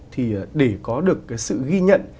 thì để có được cái sự ghi nhận